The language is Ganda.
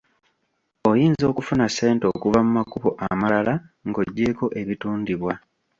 Oyinza okufuna ssente okuva mu makubo amalala ng’oggyeeko ebitundibwa.